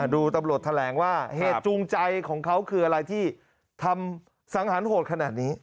ดูตำรวจแถลงว่าเหตุจูงใจของเขาคืออะไรที่ทำสังหารโหดขนาดนี้